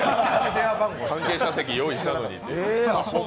関係者席用意したのに。